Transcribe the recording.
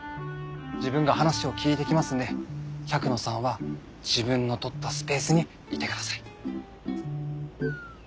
自分が話を聞いてきますんで百野さんは自分の取ったスペースにいてください。